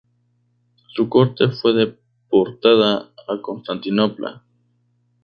Su corte fue deportada a Constantinopla.